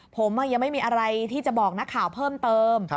ผมยังไม่มีอะไรที่จะบอกนักข่าวเพิ่มเติม